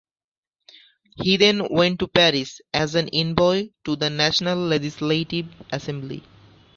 He then went to Paris as an envoy to the National Legislative Assembly.